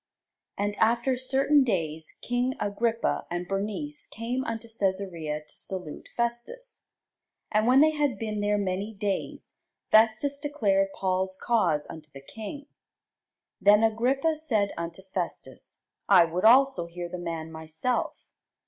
And after certain days king Agrippa and Bernice came unto Cæsarea to salute Festus. And when they had been there many days, Festus declared Paul's cause unto the king. Then Agrippa said unto Festus, I would also hear the man myself.